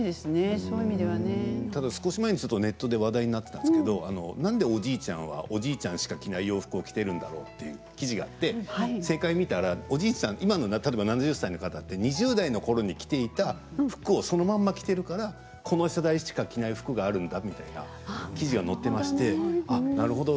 ただ、少し前にネットで話題になっていたんですけどなんで、おじいちゃんはおじいちゃんしか着ない洋服を着ているんだろうという記事があって、正解を見たら今の、例えば７０歳の方って２０代のころに着ていた服をそのまま着ているからこの世代しか着ない服があるんだみたいな記事が載ってましてあ、なるほど！